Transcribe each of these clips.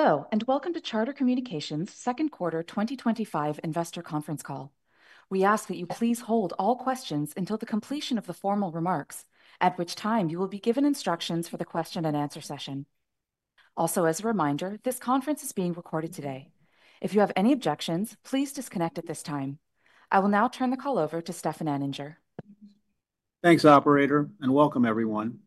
Hello, and welcome to Charter Communications' Second Quarter 2025 Investor Conference Call. We ask that you please hold all questions until the completion of the formal remarks, at which time you will be given instructions for the question-and-answer session. Also, as a reminder, this conference is being recorded today. If you have any objections, please disconnect at this time. I will now turn the call over to Stefan Anninger. Thanks, Operator, and welcome, everyone.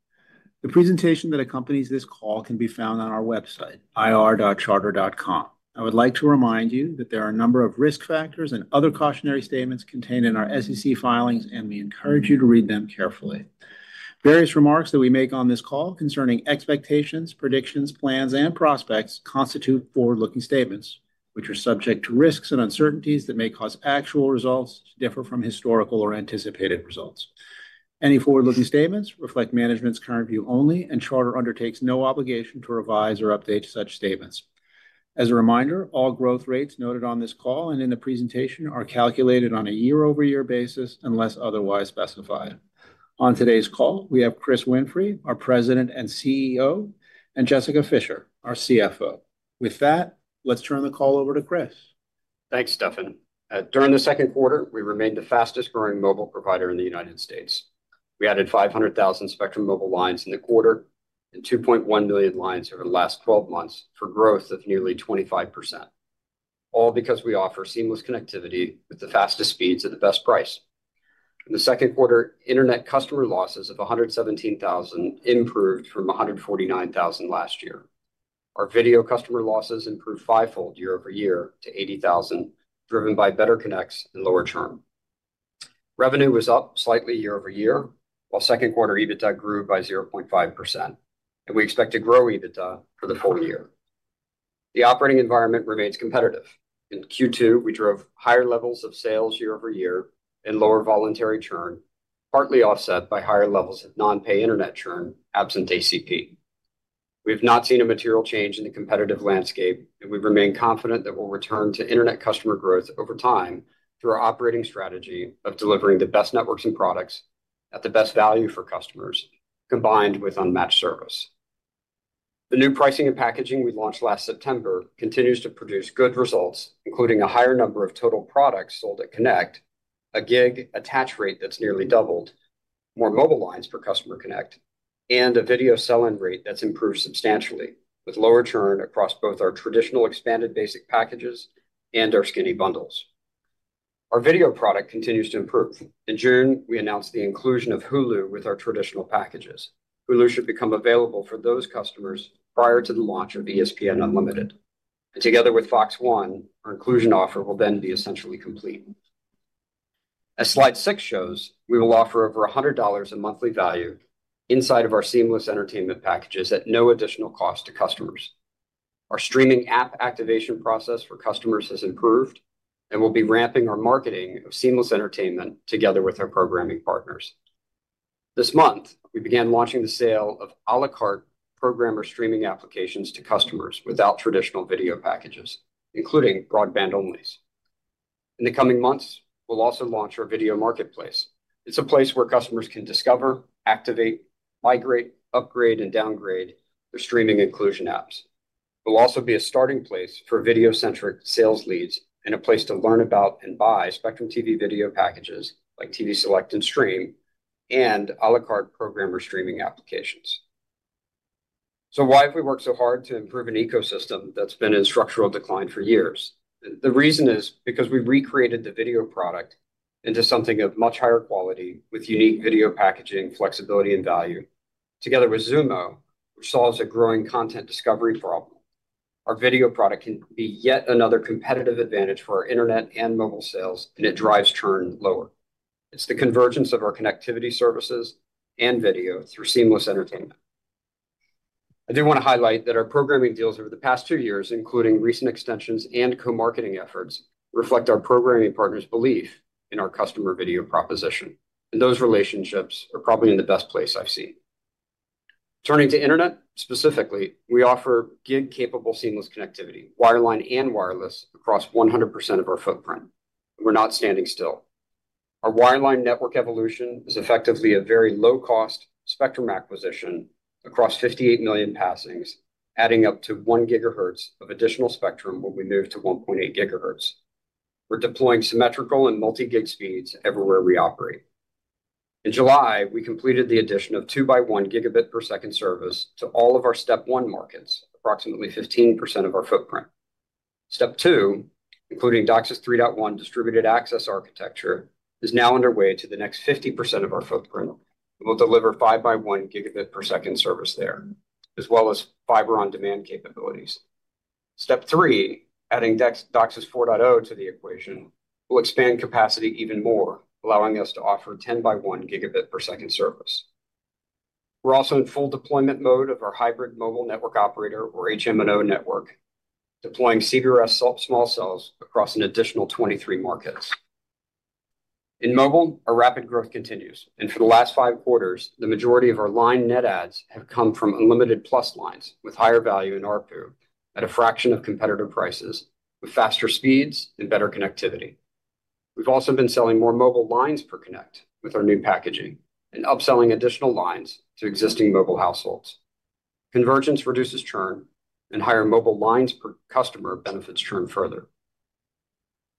The presentation that accompanies this call can be found on our website, ir.charter.com. I would like to remind you that there are a number of risk factors and other cautionary statements contained in our SEC filings, and we encourage you to read them carefully. Various remarks that we make on this call concerning expectations, predictions, plans, and prospects constitute forward-looking statements, which are subject to risks and uncertainties that may cause actual results to differ from historical or anticipated results. Any forward-looking statements reflect management's current view only, and Charter undertakes no obligation to revise or update such statements. As a reminder, all growth rates noted on this call and in the presentation are calculated on a year-over-year basis unless otherwise specified. On today's call, we have Chris Winfrey, our President and CEO, and Jessica Fischer, our CFO. With that, let's turn the call over to Chris. Thanks, Stefan. During the second quarter, we remained the fastest-growing mobile provider in the United States. We added 500,000 Spectrum Mobile lines in the quarter and 2.1 million lines over the last 12 months for growth of nearly 25%. All because we offer seamless connectivity with the fastest speeds at the best price. In the second quarter, internet customer losses of 117,000 improved from 149,000 last year. Our video customer losses improved fivefold year-over-year to 80,000, driven by better connects and lower churn. Revenue was up slightly year-over-year, while second-quarter EBITDA grew by 0.5%, and we expect to grow EBITDA for the full year. The operating environment remains competitive. In Q2, we drove higher levels of sales year-over-year and lower voluntary churn, partly offset by higher levels of non-pay internet churn absent ACP. We have not seen a material change in the competitive landscape, and we remain confident that we'll return to internet customer growth over time through our operating strategy of delivering the best networks and products at the best value for customers, combined with unmatched service. The new pricing and packaging we launched last September continues to produce good results, including a higher number of total products sold at Connect, a gig attach rate that's nearly doubled, more mobile lines per customer connect, and a video sell-in rate that's improved substantially, with lower churn across both our traditional expanded basic packages and our skinny bundles. Our video product continues to improve. In June, we announced the inclusion of Hulu with our traditional packages. Hulu should become available for those customers prior to the launch of ESPN Unlimited. Together with Fox One, our inclusion offer will then be essentially complete. As Slide 6 shows, we will offer over $100 in monthly value inside of our seamless entertainment packages at no additional cost to customers. Our streaming app activation process for customers has improved, and we'll be ramping our marketing of seamless entertainment together with our programming partners. This month, we began launching the sale of à la carte programmer streaming applications to customers without traditional video packages, including broadband-onlys. In the coming months, we'll also launch our Video Marketplace. It's a place where customers can discover, activate, migrate, upgrade, and downgrade their streaming inclusion apps. It'll also be a starting place for video-centric sales leads and a place to learn about and buy Spectrum TV video packages like TV Select and Stream and à la carte programmer streaming applications. Why have we worked so hard to improve an ecosystem that's been in structural decline for years? The reason is because we recreated the video product into something of much higher quality with unique video packaging, flexibility, and value. Together with Xumo, which solves a growing content discovery problem, our video product can be yet another competitive advantage for our internet and mobile sales, and it drives churn lower. It's the convergence of our connectivity services and video through seamless entertainment. I do want to highlight that our programming deals over the past two years, including recent extensions and co-marketing efforts, reflect our programming partners' belief in our customer video proposition, and those relationships are probably in the best place I've seen. Turning to internet specifically, we offer gig-capable seamless connectivity, wireline, and wireless across 100% of our footprint. We're not standing still. Our wireline network evolution is effectively a very low-cost Spectrum acquisition across 58 million passings, adding up to 1 GHz of additional Spectrum when we move to 1.8 GHz. We're deploying symmetrical and multi-gig speeds everywhere we operate. In July, we completed the addition of 2x1 Gb per second service to all of our Step 1 markets, approximately 15% of our footprint. Step 2, including DOCSIS 3.1 distributed access architecture, is now underway to the next 50% of our footprint. We'll deliver 5x1 Gb per second service there, as well as fiber-on-demand capabilities. Step 3, adding DOCSIS 4.0 to the equation, will expand capacity even more, allowing us to offer 10x1 Gb per second service. We're also in full deployment mode of our hybrid mobile network operator, or HMNO network, deploying CBRS small cells across an additional 23 markets. In mobile, our rapid growth continues, and for the last five quarters, the majority of our line net adds have come from unlimited plus lines with higher value in ARPU at a fraction of competitive prices, with faster speeds and better connectivity. We've also been selling more mobile lines per connect with our new packaging and upselling additional lines to existing mobile households. Convergence reduces churn, and higher mobile lines per customer benefits churn further.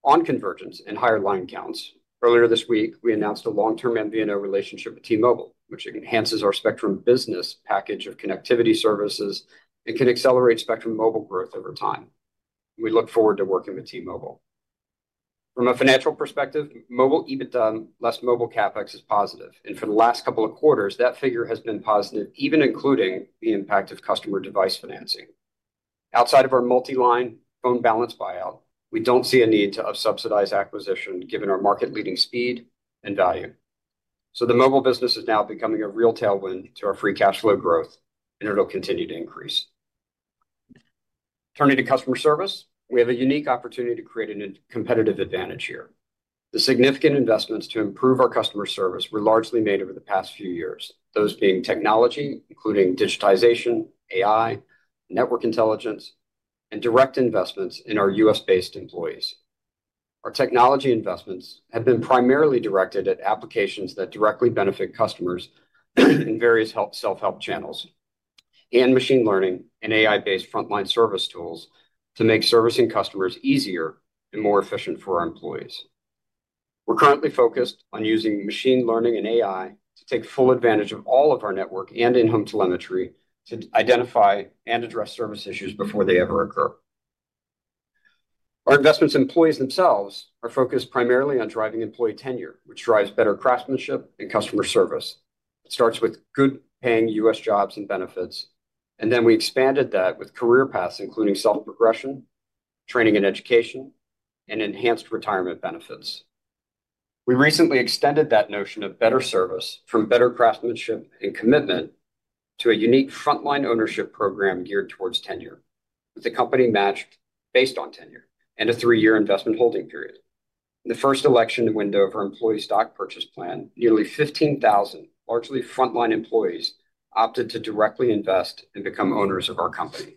On convergence and higher line counts, earlier this week, we announced a long-term MVNO relationship with T-Mobile, which enhances our Spectrum Business package of connectivity services and can accelerate Spectrum Mobile growth over time. We look forward to working with T-Mobile. From a financial perspective, mobile EBITDA less mobile CapEx is positive, and for the last couple of quarters, that figure has been positive, even including the impact of customer device financing. Outside of our multi-line phone balance buyout, we don't see a need to subsidize acquisition given our market-leading speed and value. The mobile business is now becoming a real tailwind to our free cash flow growth, and it'll continue to increase. Turning to customer service, we have a unique opportunity to create a competitive advantage here. The significant investments to improve our customer service were largely made over the past few years, those being technology, including digitization, AI, network intelligence, and direct investments in our U.S.-based employees. Our technology investments have been primarily directed at applications that directly benefit customers in various self-help channels and machine learning and AI-based frontline service tools to make servicing customers easier and more efficient for our employees. We're currently focused on using machine learning and AI to take full advantage of all of our network and in-home telemetry to identify and address service issues before they ever occur. Our investments in employees themselves are focused primarily on driving employee tenure, which drives better craftsmanship and customer service. It starts with good-paying U.S. jobs and benefits, and then we expanded that with career paths, including self-progression, training and education, and enhanced retirement benefits. We recently extended that notion of better service from better craftsmanship and commitment to a unique frontline ownership program geared towards tenure, with the company matched based on tenure and a three-year investment holding period. In the first election window of our employee stock purchase plan, nearly 15,000 largely frontline employees opted to directly invest and become owners of our company.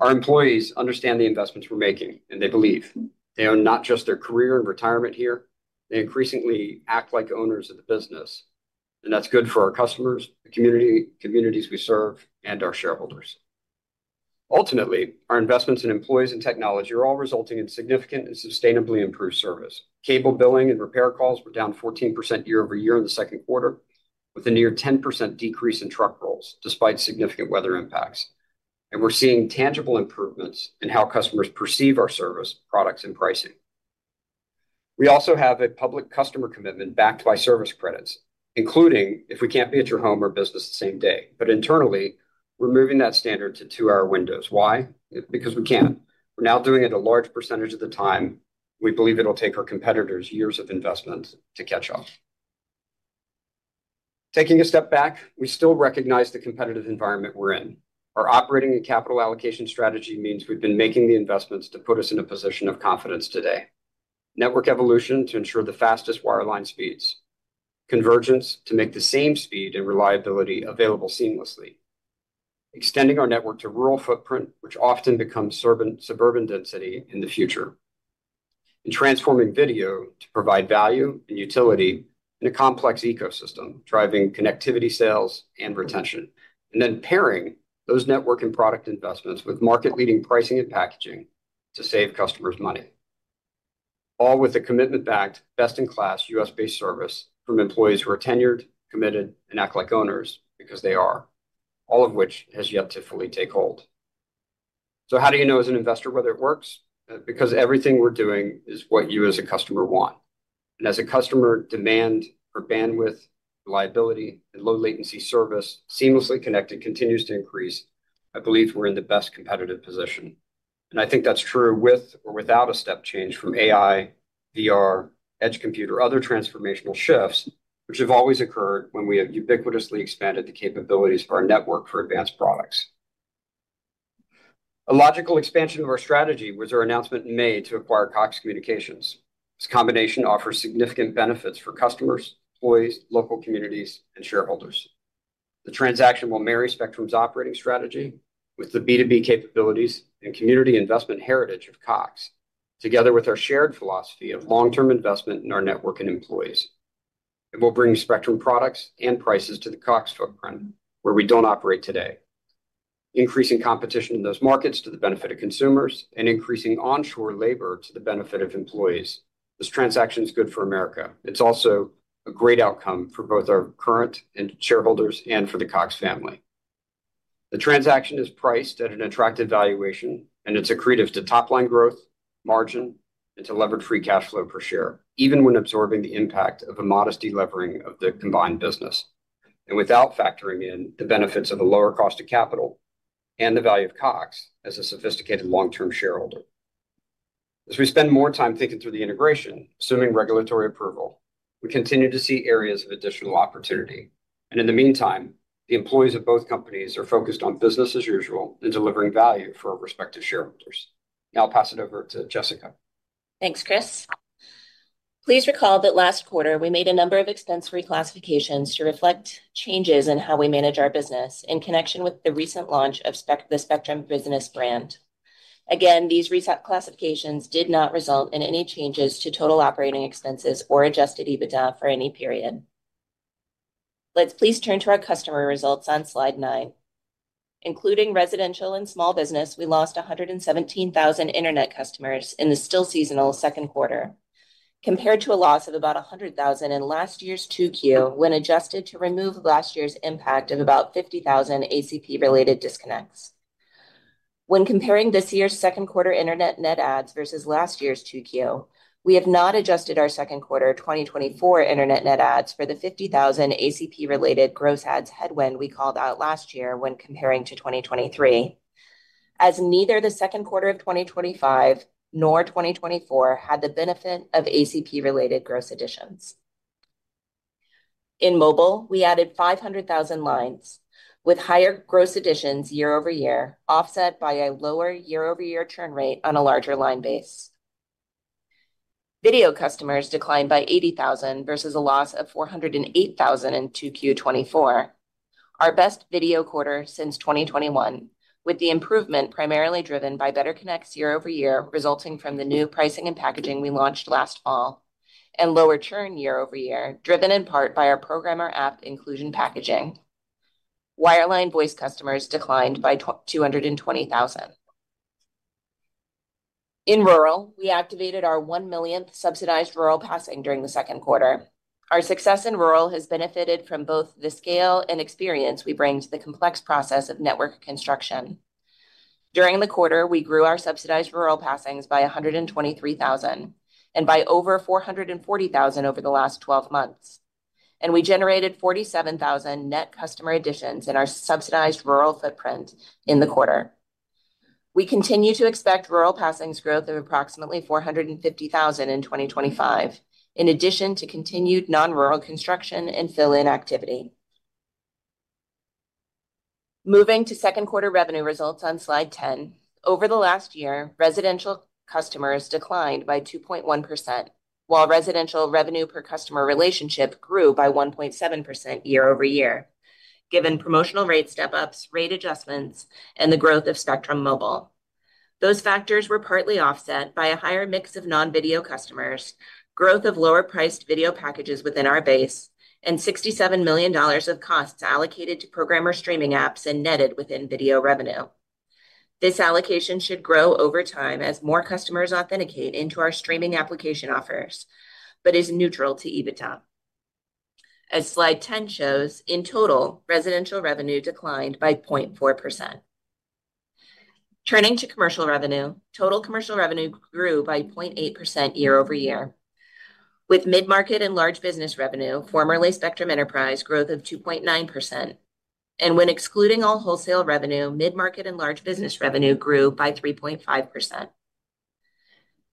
Our employees understand the investments we're making, and they believe they own not just their career and retirement here; they increasingly act like owners of the business. That's good for our customers, the communities we serve, and our shareholders. Ultimately, our investments in employees and technology are all resulting in significant and sustainably improved service. Cable billing and repair calls were down 14% year-over-year in the second quarter, with a near 10% decrease in truck rolls despite significant weather impacts. We're seeing tangible improvements in how customers perceive our service, products, and pricing. We also have a public customer commitment backed by service credits, including if we can't be at your home or business the same day. Internally, we're moving that standard to two-hour windows. Why? Because we can. We're now doing it a large percentage of the time. We believe it'll take our competitors years of investment to catch up. Taking a step back, we still recognize the competitive environment we're in. Our operating and capital allocation strategy means we've been making the investments to put us in a position of confidence today. Network evolution to ensure the fastest wireline speeds. Convergence to make the same speed and reliability available seamlessly. Extending our network to rural footprint, which often becomes suburban density in the future. Transforming video to provide value and utility in a complex ecosystem, driving connectivity sales and retention. Pairing those network and product investments with market-leading pricing and packaging to save customers money. All with a commitment-backed, best-in-class U.S.-based service from employees who are tenured, committed, and act like owners because they are, all of which has yet to fully take hold. How do you know as an investor whether it works? Everything we're doing is what you as a customer want. As customer demand for bandwidth, reliability, and low-latency service seamlessly connected continues to increase, I believe we're in the best competitive position. I think that's true with or without a step change from AI, VR, edge computer, or other transformational shifts, which have always occurred when we have ubiquitously expanded the capabilities of our network for advanced products. A logical expansion of our strategy was our announcement in May to acquire Cox Communications. This combination offers significant benefits for customers, employees, local communities, and shareholders. The transaction will marry Spectrum's operating strategy with the B2B capabilities and community investment heritage of Cox, together with our shared philosophy of long-term investment in our network and employees. It will bring Spectrum products and prices to the Cox footprint where we do not operate today, increasing competition in those markets to the benefit of consumers and increasing onshore labor to the benefit of employees. This transaction is good for America. It's also a great outcome for both our current shareholders and for the Cox family. The transaction is priced at an attractive valuation, and it's accretive to top-line growth, margin, and to levered free cash flow per share, even when absorbing the impact of a modest de-levering of the combined business, and without factoring in the benefits of a lower cost of capital and the value of Cox as a sophisticated long-term shareholder. As we spend more time thinking through the integration, assuming regulatory approval, we continue to see areas of additional opportunity. In the meantime, the employees of both companies are focused on business as usual and delivering value for our respective shareholders. Now I'll pass it over to Jessica. Thanks, Chris. Please recall that last quarter, we made a number of expense reclassifications to reflect changes in how we manage our business in connection with the recent launch of the Spectrum Business brand. Again, these reclassifications did not result in any changes to total operating expenses or adjusted EBITDA for any period. Let's please turn to our customer results on Slide 9. Including residential and small business, we lost 117,000 internet customers in the still seasonal second quarter, compared to a loss of about 100,000 in last year's 2Q when adjusted to remove last year's impact of about 50,000 ACP-related disconnects. When comparing this year's second quarter internet net adds versus last year's 2Q, we have not adjusted our second quarter 2024 internet net adds for the 50,000 ACP-related gross adds headwind we called out last year when comparing to 2023, as neither the second quarter of 2025 nor 2024 had the benefit of ACP-related gross additions. In mobile, we added 500,000 lines with higher gross additions year-over-year, offset by a lower year-over-year churn rate on a larger line base. Video customers declined by 80,000 versus a loss of 408,000 in 2Q24. Our best video quarter since 2021, with the improvement primarily driven by better connects year-over-year resulting from the new pricing and packaging we launched last fall and lower churn year-over-year, driven in part by our programmer app inclusion packaging. Wireline voice customers declined by 220,000. In rural, we activated our 1 millionth subsidized rural passing during the second quarter. Our success in rural has benefited from both the scale and experience we bring to the complex process of network construction. During the quarter, we grew our subsidized rural passings by 123,000 and by over 440,000 over the last 12 months. We generated 47,000 net customer additions in our subsidized rural footprint in the quarter. We continue to expect rural passings growth of approximately 450,000 in 2025, in addition to continued non-rural construction and fill-in activity. Moving to second quarter revenue results on Slide 10. Over the last year, residential customers declined by 2.1%, while residential revenue per customer relationship grew by 1.7% year-over-year, given promotional rate step-ups, rate adjustments, and the growth of Spectrum Mobile. Those factors were partly offset by a higher mix of non-video customers, growth of lower-priced video packages within our base, and $67 million of costs allocated to programmer streaming apps and netted within video revenue. This allocation should grow over time as more customers authenticate into our streaming application offers, but is neutral to EBITDA. As Slide 10 shows, in total, residential revenue declined by 0.4%. Turning to commercial revenue, total commercial revenue grew by 0.8% year-over-year, with mid-market and large business revenue, formerly Spectrum Enterprise, growth of 2.9%. When excluding all wholesale revenue, mid-market and large business revenue grew by 3.5%.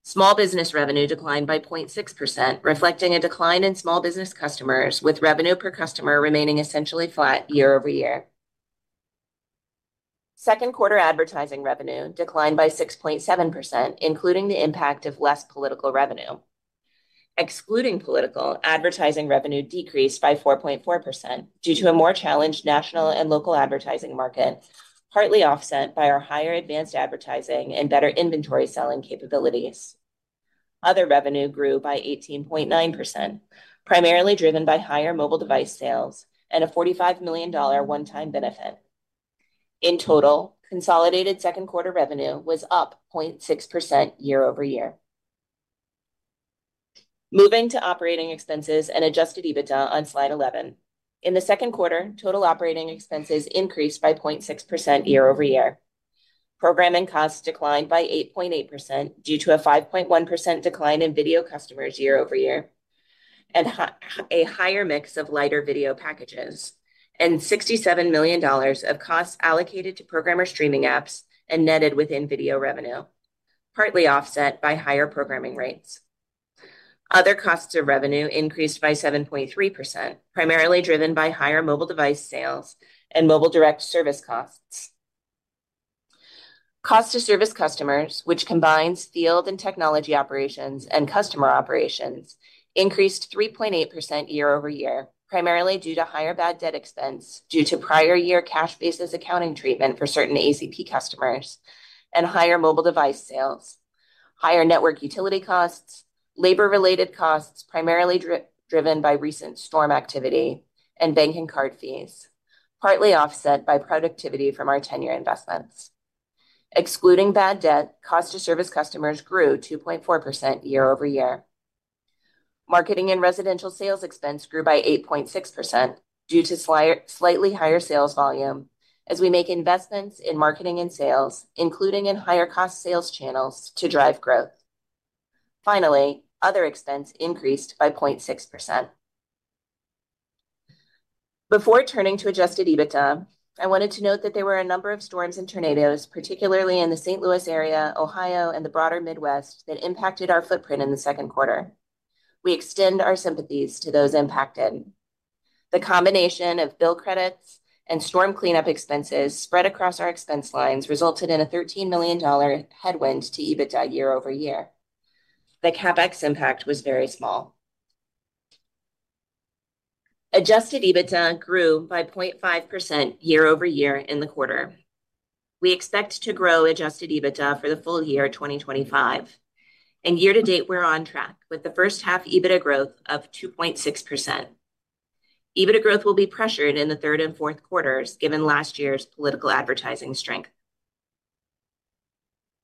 Small business revenue declined by 0.6%, reflecting a decline in small business customers, with revenue per customer remaining essentially flat year-over-year. Second quarter advertising revenue declined by 6.7%, including the impact of less political revenue. Excluding political, advertising revenue decreased by 4.4% due to a more challenged national and local advertising market, partly offset by our higher advanced advertising and better inventory selling capabilities. Other revenue grew by 18.9%, primarily driven by higher mobile device sales and a $45 million one-time benefit. In total, consolidated second quarter revenue was up 0.6% year-over-year. Moving to operating expenses and adjusted EBITDA on Slide 11. In the second quarter, total operating expenses increased by 0.6% year-over-year. Programming costs declined by 8.8% due to a 5.1% decline in video customers year-over-year and a higher mix of lighter video packages, and $67 million of costs allocated to programmer streaming apps and netted within video revenue, partly offset by higher programming rates. Other costs of revenue increased by 7.3%, primarily driven by higher mobile device sales and mobile direct service costs. Cost-to-service customers, which combines field and technology operations and customer operations, increased 3.8% year-over-year, primarily due to higher bad debt expense due to prior year cash basis accounting treatment for certain ACP customers and higher mobile device sales, higher network utility costs, labor-related costs primarily driven by recent storm activity, and banking card fees, partly offset by productivity from our tenure investments. Excluding bad debt, cost-to-service customers grew 2.4% year-over-year. Marketing and residential sales expense grew by 8.6% due to slightly higher sales volume as we make investments in marketing and sales, including in higher cost sales channels to drive growth. Finally, other expense increased by 0.6%. Before turning to adjusted EBITDA, I wanted to note that there were a number of storms and tornadoes, particularly in the St. Louis area, Ohio, and the broader Midwest, that impacted our footprint in the second quarter. We extend our sympathies to those impacted. The combination of bill credits and storm cleanup expenses spread across our expense lines resulted in a $13 million headwind to EBITDA year-over-year. The CapEx impact was very small. Adjusted EBITDA grew by 0.5% year-over-year in the quarter. We expect to grow adjusted EBITDA for the full year 2025. Year-to-date, we're on track with the first-half EBITDA growth of 2.6%. EBITDA growth will be pressured in the third and fourth quarters, given last year's political advertising strength.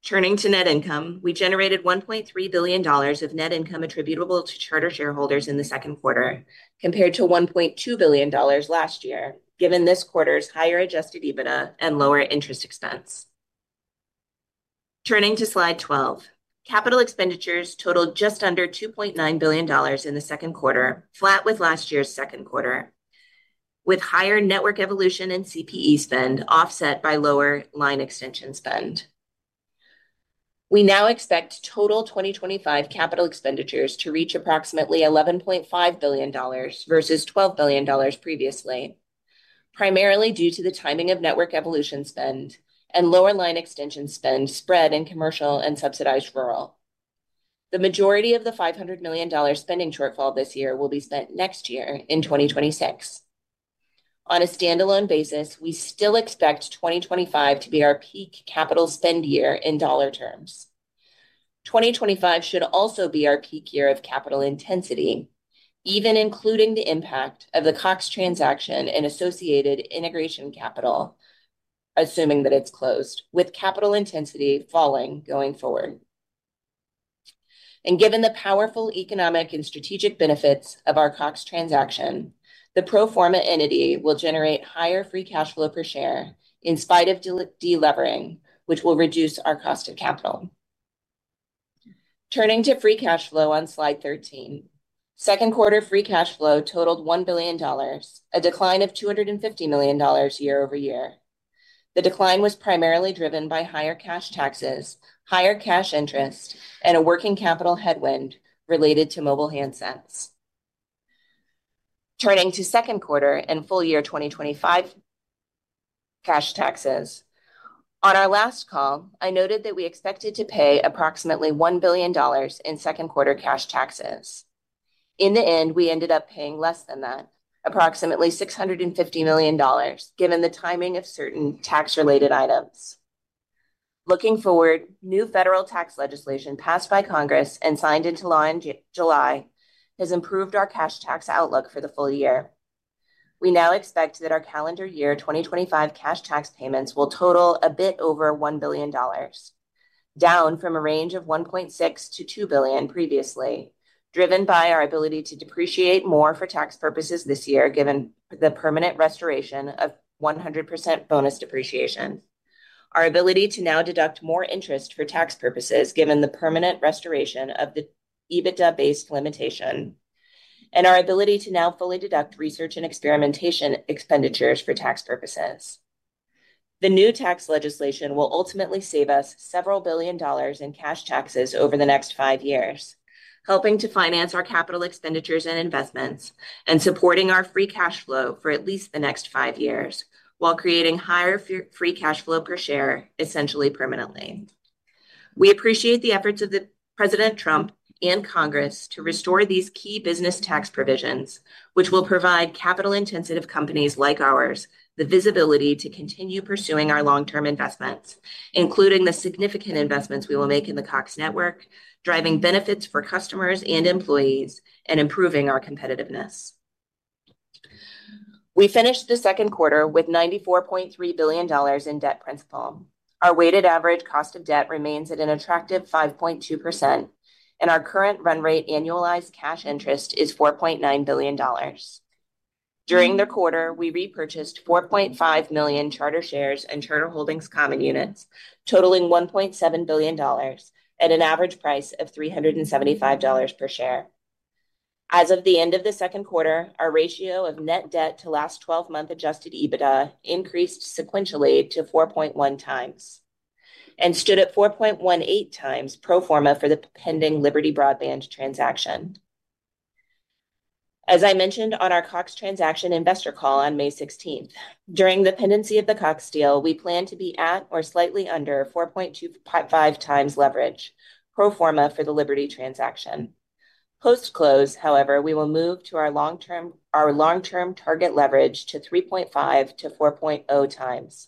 Turning to net income, we generated $1.3 billion of net income attributable to Charter shareholders in the second quarter, compared to $1.2 billion last year, given this quarter's higher adjusted EBITDA and lower interest expense. Turning to Slide 12, capital expenditures totaled just under $2.9 billion in the second quarter, flat with last year's second quarter, with higher network evolution and CPE spend offset by lower line extension spend. We now expect total 2025 capital expenditures to reach approximately $11.5 billion versus $12 billion previously, primarily due to the timing of network evolution spend and lower line extension spend spread in commercial and subsidized rural. The majority of the $500 million spending shortfall this year will be spent next year in 2026. On a standalone basis, we still expect 2025 to be our peak capital spend year in dollar terms. 2025 should also be our peak year of capital intensity, even including the impact of the Cox transaction and associated integration capital, assuming that it's closed, with capital intensity falling going forward. Given the powerful economic and strategic benefits of our Cox transaction, the pro forma entity will generate higher free cash flow per share in spite of de-levering, which will reduce our cost of capital. Turning to free cash flow on Slide 13, second quarter free cash flow totaled $1 billion, a decline of $250 million year-over-year. The decline was primarily driven by higher cash taxes, higher cash interest, and a working capital headwind related to mobile handsets. Turning to second quarter and full year 2025 cash taxes. On our last call, I noted that we expected to pay approximately $1 billion in second quarter cash taxes. In the end, we ended up paying less than that, approximately $650 million, given the timing of certain tax-related items. Looking forward, new federal tax legislation passed by Congress and signed into law in July has improved our cash tax outlook for the full year. We now expect that our calendar year 2025 cash tax payments will total a bit over $1 billion, down from a range of $1.6 billion-$2 billion previously, driven by our ability to depreciate more for tax purposes this year, given the permanent restoration of 100% bonus depreciation. Our ability to now deduct more interest for tax purposes, given the permanent restoration of the EBITDA-based limitation, and our ability to now fully deduct research and experimentation expenditures for tax purposes. The new tax legislation will ultimately save us several billion dollars in cash taxes over the next five years, helping to finance our capital expenditures and investments and supporting our free cash flow for at least the next five years while creating higher free cash flow per share, essentially permanently. We appreciate the efforts of President Trump and Congress to restore these key business tax provisions, which will provide capital-intensive companies like ours the visibility to continue pursuing our long-term investments, including the significant investments we will make in the Cox network, driving benefits for customers and employees, and improving our competitiveness. We finished the second quarter with $94.3 billion in debt principal. Our weighted average cost of debt remains at an attractive 5.2%, and our current run rate annualized cash interest is $4.9 billion. During the quarter, we repurchased 4.5 million Charter shares and Charter Holdings common units, totaling $1.7 billion at an average price of $375 per share. As of the end of the second quarter, our ratio of net debt to last 12-month adjusted EBITDA increased sequentially to 4.1x and stood at 4.18x pro-forma for the pending Liberty Broadband transaction. As I mentioned on our Cox transaction investor call on May 16, during the pendency of the Cox deal, we plan to be at or slightly under 4.25x leverage pro forma for the Liberty transaction. Post-close, however, we will move to our long-term target leverage to 3.5x-4.0x,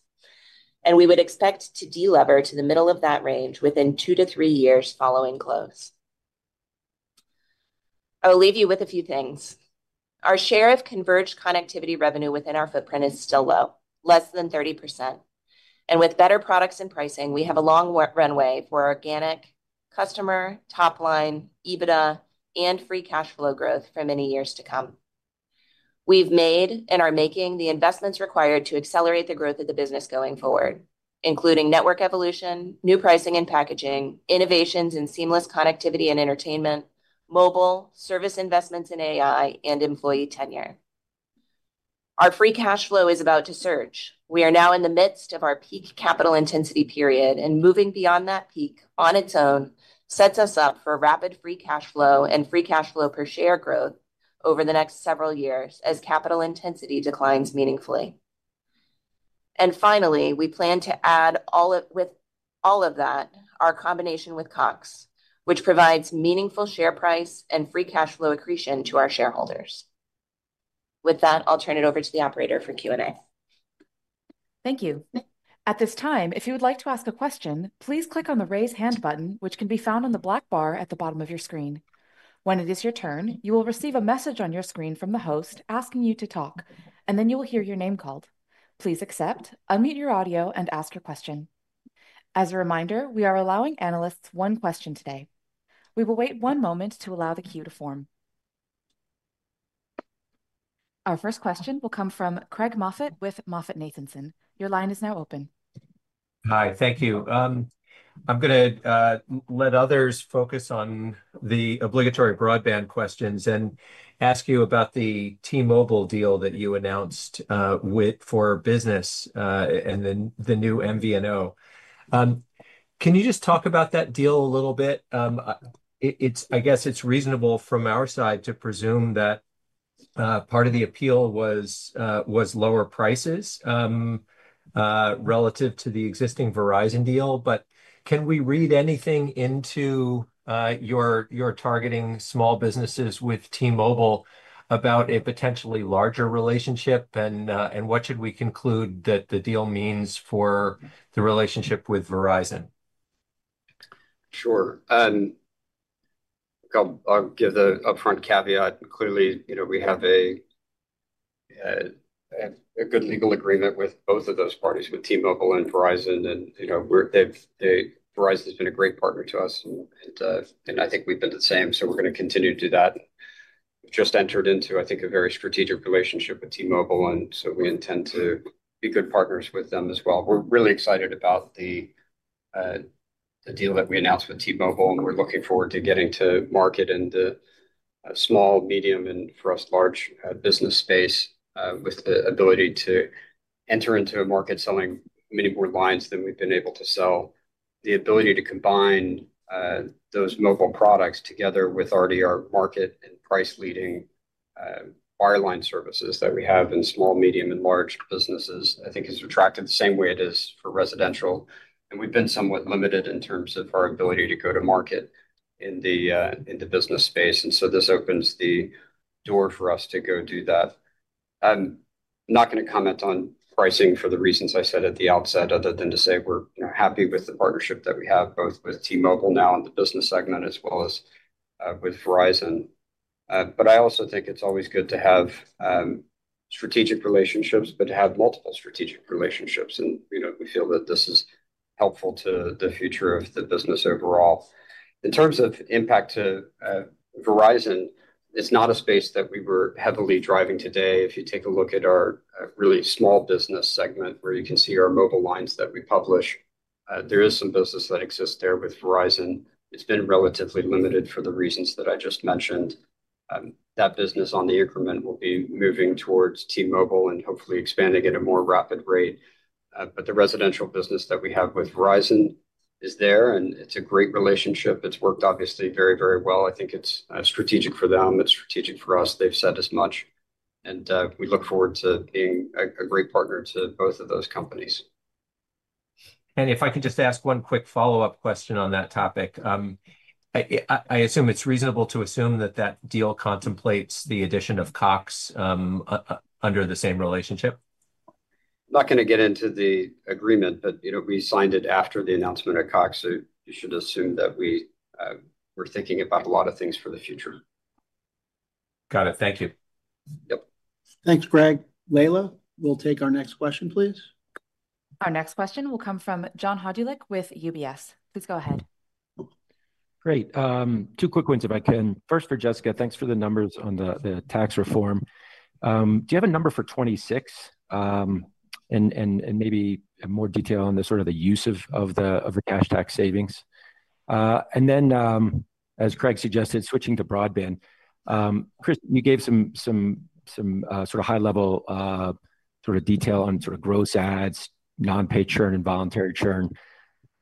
and we would expect to de-lever to the middle of that range within two to three years following close. I'll leave you with a few things. Our share of converged connectivity revenue within our footprint is still low, less than 30%, and with better products and pricing, we have a long runway for organic customer, top line, EBITDA, and free cash flow growth for many years to come. We've made and are making the investments required to accelerate the growth of the business going forward, including network evolution, new pricing and packaging, innovations in seamless connectivity and entertainment, mobile service investments in AI, and employee tenure. Our free cash flow is about to surge. We are now in the midst of our peak capital intensity period, and moving beyond that peak on its own sets us up for rapid free cash flow and free cash flow per share growth over the next several years as capital intensity declines meaningfully. Finally, we plan to add, with all of that, our combination with Cox, which provides meaningful share price and free cash flow accretion to our shareholders. With that, I'll turn it over to the operator for Q&A. Thank you. At this time, if you would like to ask a question, please click on the raise hand button, which can be found on the black bar at the bottom of your screen. When it is your turn, you will receive a message on your screen from the host asking you to talk, and then you will hear your name called. Please accept, unmute your audio, and ask your question. As a reminder, we are allowing analysts one question today. We will wait one moment to allow the queue to form. Our first question will come from Craig Moffett with MoffettNathanson. Your line is now open. Hi, thank you. I'm going to let others focus on the obligatory broadband questions and ask you about the T-Mobile deal that you announced for business, and then the new MVNO. Can you just talk about that deal a little bit? I guess it's reasonable from our side to presume that part of the appeal was lower prices relative to the existing Verizon deal. Can we read anything into your targeting small businesses with T-Mobile about a potentially larger relationship? What should we conclude that the deal means for the relationship with Verizon? Sure. I'll give the upfront caveat. Clearly, we have a good legal agreement with both of those parties, with T-Mobile and Verizon. Verizon has been a great partner to us, and I think we've been the same. We are going to continue to do that. We've just entered into, I think, a very strategic relationship with T-Mobile, and we intend to be good partners with them as well. We're really excited about the deal that we announced with T-Mobile, and we're looking forward to getting to market in the small, medium, and for us, large business space with the ability to enter into a market selling many more lines than we've been able to sell. The ability to combine those mobile products together with already our market and price-leading wireline services that we have in small, medium, and large businesses, I think, has attracted the same way it is for residential. We've been somewhat limited in terms of our ability to go to market in the business space, and this opens the door for us to go do that. I'm not going to comment on pricing for the reasons I said at the outset, other than to say we're happy with the partnership that we have, both with T-Mobile now in the business segment as well as with Verizon. I also think it's always good to have strategic relationships, but to have multiple strategic relationships. We feel that this is helpful to the future of the business overall. In terms of impact to Verizon, it's not a space that we were heavily driving today. If you take a look at our really small business segment where you can see our mobile lines that we publish, there is some business that exists there with Verizon. It's been relatively limited for the reasons that I just mentioned. That business on the increment will be moving towards T-Mobile and hopefully expanding at a more rapid rate. The residential business that we have with Verizon is there, and it's a great relationship. It's worked, obviously, very, very well. I think it's strategic for them. It's strategic for us. They've said as much. We look forward to being a great partner to both of those companies. If I can just ask one quick follow-up question on that topic, I assume it's reasonable to assume that that deal contemplates the addition of Cox under the same relationship? I'm not going to get into the agreement, but we signed it after the announcement of Cox. You should assume that we were thinking about a lot of things for the future. Got it. Thank you. Yep. Thanks, Craig. Leila, we'll take our next question, please. Our next question will come from John Hodulik with UBS. Please go ahead. Great. Two quick ones, if I can. First, for Jessica, thanks for the numbers on the tax reform. Do you have a number for 2026, and maybe more detail on the sort of the use of the cash tax savings? As Craig suggested, switching to broadband, Chris, you gave some sort of high-level sort of detail on sort of gross ads, non-pay churn, and voluntary churn.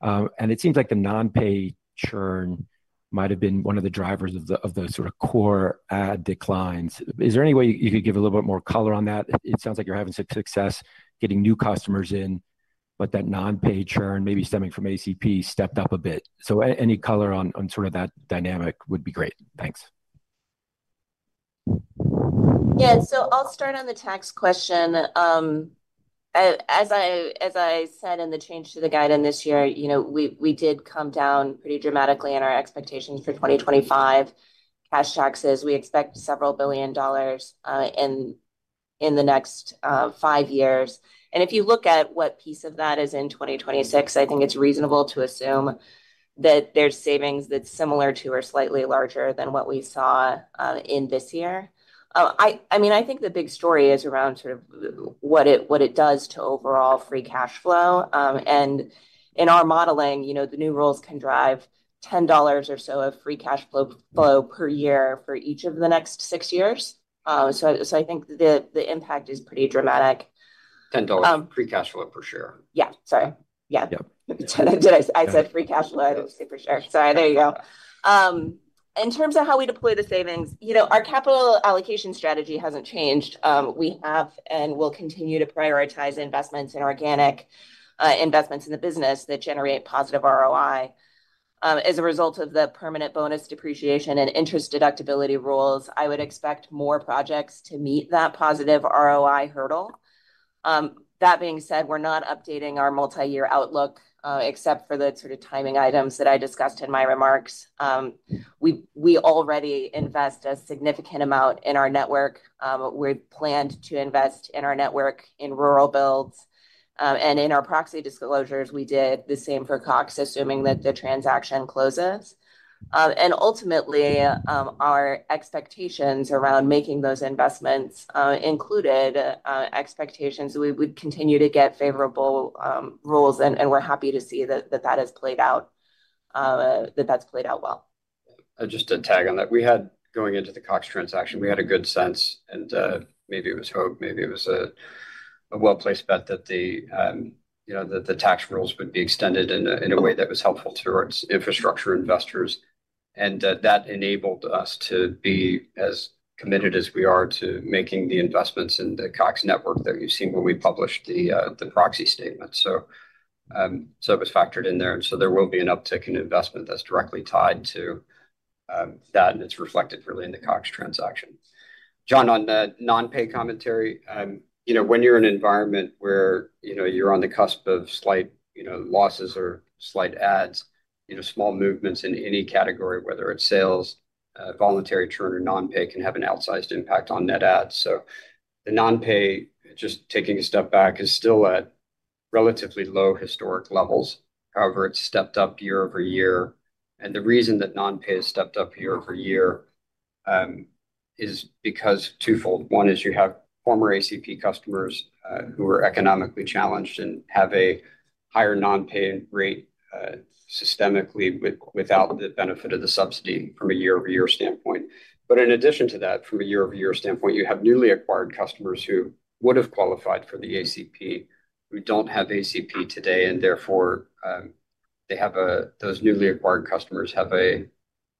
It seems like the non-pay churn might have been one of the drivers of the sort of core ad declines. Is there any way you could give a little bit more color on that? It sounds like you're having success getting new customers in, but that non-pay churn, maybe stemming from ACP, stepped up a bit. Any color on sort of that dynamic would be great. Thanks. Yeah. I'll start on the tax question. As I said in the change to the guidance this year, we did come down pretty dramatically in our expectations for 2025 cash taxes. We expect several billion dollars in the next five years. If you look at what piece of that is in 2026, I think it's reasonable to assume that there's savings that's similar to or slightly larger than what we saw in this year. I mean, I think the big story is around what it does to overall free cash flow. In our modeling, the new rules can drive $10 or so of free cash flow per year for each of the next six years. I think the impact is pretty dramatic. $10 free cash flow per share. Yeah. Sorry. Yeah. I said free cash flow. I was super sure. Sorry. There you go. In terms of how we deploy the savings, our capital allocation strategy has not changed. We have and will continue to prioritize investments in organic investments in the business that generate positive ROI. As a result of the permanent bonus depreciation and interest deductibility rules, I would expect more projects to meet that positive ROI hurdle. That being said, we are not updating our multi-year outlook except for the sort of timing items that I discussed in my remarks. We already invest a significant amount in our network. We planned to invest in our network in rural builds. In our proxy disclosures, we did the same for Cox, assuming that the transaction closes. Ultimately, our expectations around making those investments included expectations that we would continue to get favorable rules. We are happy to see that that has played out. That has played out well. Just to tag on that, going into the Cox transaction, we had a good sense, and maybe it was hope, maybe it was a well-placed bet that the tax rules would be extended in a way that was helpful towards infrastructure investors. That enabled us to be as committed as we are to making the investments in the Cox network that you have seen when we published the proxy statement. It was factored in there. There will be an uptick in investment that is directly tied to that, and it is reflected really in the Cox transaction. John, on the non-pay commentary, when you are in an environment where you are on the cusp of slight losses or slight adds, small movements in any category, whether it is sales, voluntary churn, or non-pay, can have an outsized impact on net adds. The non-pay, just taking a step back, is still at relatively low historic levels. However, it has stepped up year over year. The reason that non-pay has stepped up year over year is twofold. One is you have former ACP customers who are economically challenged and have a higher non-pay rate systemically without the benefit of the subsidy from a year-over-year standpoint. In addition to that, from a year-over-year standpoint, you have newly acquired customers who would have qualified for the ACP, who do not have ACP today, and therefore those newly acquired customers have a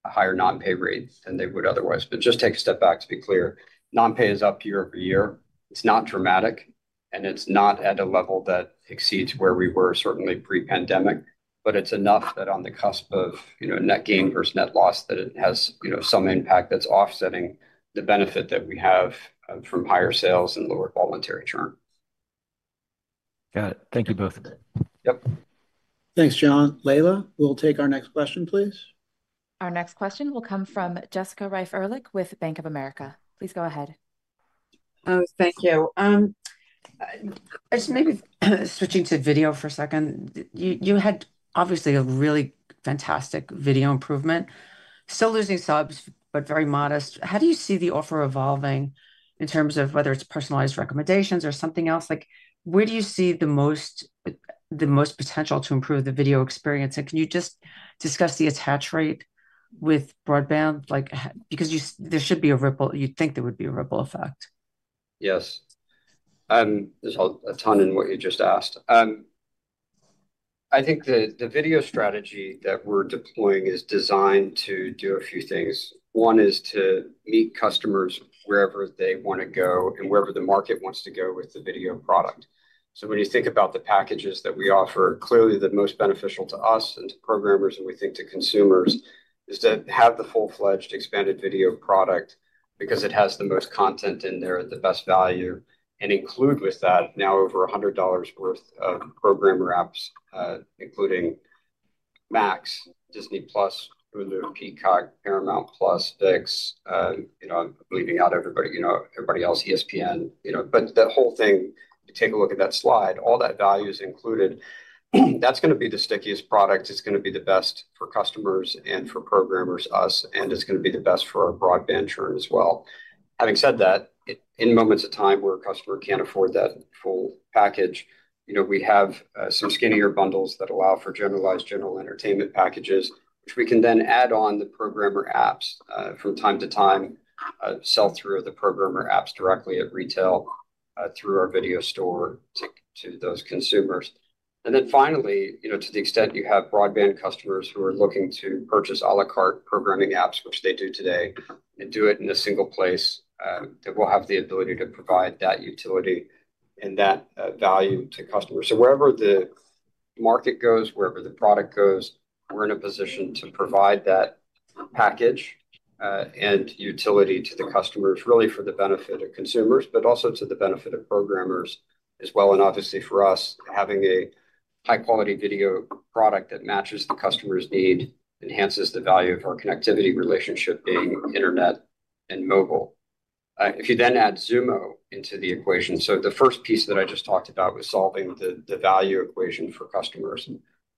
higher non-pay rate than they would otherwise. Just take a step back to be clear. Non-pay is up year over year. It is not dramatic, and it is not at a level that exceeds where we were certainly pre-pandemic. It is enough that on the cusp of net gain versus net loss that it has some impact that is offsetting the benefit that we have from higher sales and lower voluntary churn. Got it. Thank you both. Yep. Thanks, John. Leila, we will take our next question, please. Our next question will come from Jessica Reif Ehrlich with Bank of America. Please go ahead. Thank you. Maybe switching to video for a second. You had obviously a really fantastic video improvement. Still losing subs, but very modest. How do you see the offer evolving in terms of whether it's personalized recommendations or something else? Where do you see the most potential to improve the video experience? And can you just discuss the attach rate with broadband? Because there should be a ripple. You think there would be a ripple effect. Yes. There's a ton in what you just asked. I think the video strategy that we're deploying is designed to do a few things. One is to meet customers wherever they want to go and wherever the market wants to go with the video product. When you think about the packages that we offer, clearly the most beneficial to us and to programmers and we think to consumers is to have the full-fledged expanded video product because it has the most content in there, the best value, and include with that now over $100 worth of programmer apps, including Max, Disney+, Ubuntu, Peacock, Paramount+, Vix. I'm leaving out everybody else, ESPN. The whole thing, you take a look at that slide, all that value is included. That's going to be the stickiest product. It's going to be the best for customers and for programmers, us, and it's going to be the best for our broadband churn as well. Having said that, in moments of time where a customer can't afford that full package, we have some skinnier bundles that allow for generalized general entertainment packages, which we can then add on the programmer apps from time to time, sell through the programmer apps directly at retail through our video store to those consumers. Finally, to the extent you have broadband customers who are looking to purchase à la carte programming apps, which they do today, and do it in a single place, that we'll have the ability to provide that utility and that value to customers. Wherever the market goes, wherever the product goes, we're in a position to provide that package and utility to the customers, really for the benefit of consumers, but also to the benefit of programmers as well. Obviously, for us, having a high-quality video product that matches the customer's need enhances the value of our connectivity relationship being internet and mobile. If you then add Xumo into the equation, the first piece that I just talked about was solving the value equation for customers.